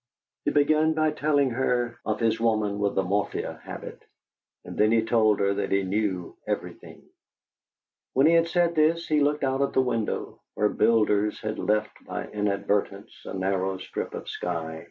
He began by telling her of his woman with the morphia habit, and then he told her that he knew everything. When he had said this he looked out of the window, where builders had left by inadvertence a narrow strip of sky.